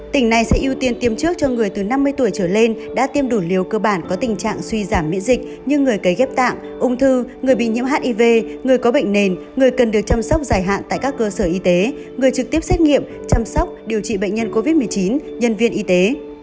tỉnh này sẽ ưu tiên tiêm trước cho người từ năm mươi tuổi trở lên đã tiêm đủ liều cơ bản có tình trạng suy giảm miễn dịch như người cấy ghép tạng ung thư người bị nhiễm hiv người có bệnh nền người cần được chăm sóc dài hạn tại các cơ sở y tế người trực tiếp xét nghiệm chăm sóc điều trị bệnh nhân covid một mươi chín nhân viên y tế